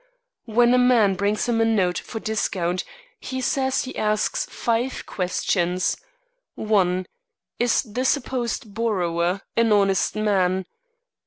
When a man brings him a note for discount, he says, he asks five questions: 1. Is the supposed borrower an honest man?